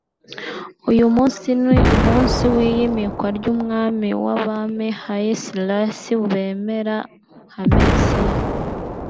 uyu munsi ni umunsi w’iyimikwa ry’umwami w’abami Haile Selassie bemera nka Messiah